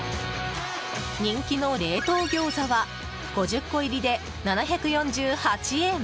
人気の冷凍餃子は５０個入りで７４８円。